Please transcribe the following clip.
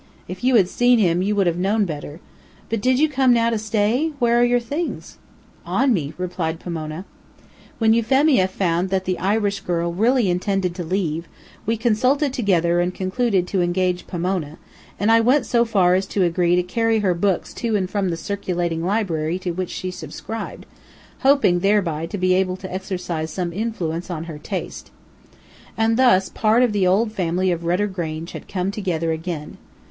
If you had seen him you would have known better. But did you come now to stay? Where are your things?" "On me," replied Pomona. When Euphemia found that the Irish girl really intended to leave, we consulted together and concluded to engage Pomona, and I went so far as to agree to carry her books to and from the circulating library to which she subscribed, hoping thereby to be able to exercise some influence on her taste. And thus part of the old family of Rudder Grange had come together again.